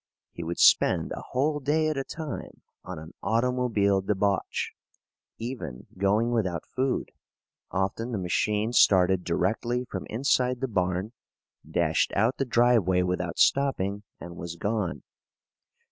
He would spend a whole day at a time on an automobile debauch, even going without food. Often the machine started directly from inside the barn, dashed out the driveway without stopping, and was gone.